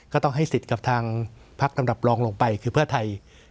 ก็ต้องให้สิทธิ์กับทางพักลำดับรองลงไปคือเพื่อไทย